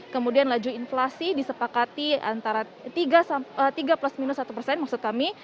kemudian laju inflasi disepakati antara tiga plus minus satu persen maksud kami